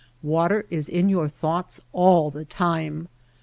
Water is in your thoughts all the time.